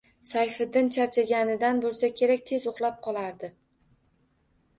Sayfiddin charchaganidan bo‘lsa kerak, tez uxlab qolardi